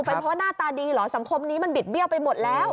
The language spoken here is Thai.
เป็นเพราะว่าหน้าตาดีเหรอสังคมนี้มันบิดเบี้ยวไปหมดแล้ว